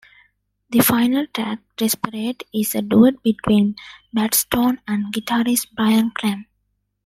The final track, Desperate, is a duet between Batstone and guitarist Brian Klemm.